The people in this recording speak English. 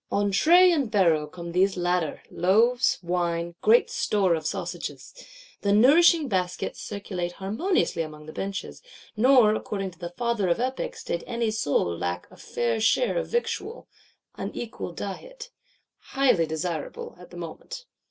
On tray and barrow come these latter; loaves, wine, great store of sausages. The nourishing baskets circulate harmoniously along the benches; nor, according to the Father of Epics, did any soul lack a fair share of victual (δαῖτος ὲἱσης), an equal diet); highly desirable, at the moment.